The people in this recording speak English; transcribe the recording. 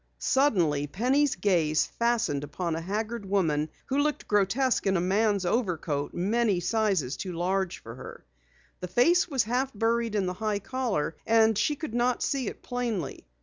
Suddenly Penny's gaze fastened upon a haggard woman who looked grotesque in a man's overcoat many sizes too large for her. The face was half buried in the high collar, and she could not see it plainly.